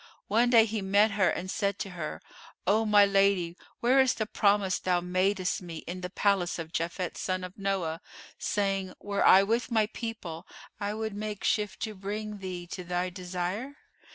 One day, he met her and said to her, "O my lady, where is the promise thou madest me, in the palace of Japhet son of Noah, saying, 'Were I with my people, I would make shift to bring thee to thy desire?